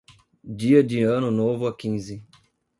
Dia de ano novo a quinze